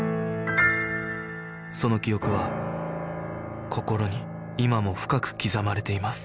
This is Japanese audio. その記憶は心に今も深く刻まれています